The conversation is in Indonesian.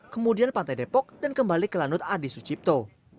kemudian pantai depok dan kembali ke lanut adi sucipto